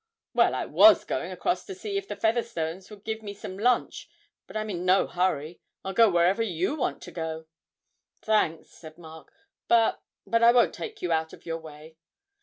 Well, I was going across to see if the Featherstones would give me some lunch, but I'm in no hurry. I'll go wherever you want to go.' 'Thanks,' said Mark, 'but but I won't take you out of your way.'